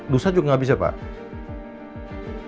lusa juga gak bisa pak